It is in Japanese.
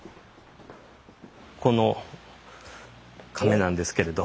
この甕なんですけれど。